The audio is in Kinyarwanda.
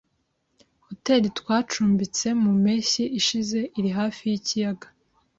Hoteri twacumbitse mu mpeshyi ishize iri hafi yikiyaga.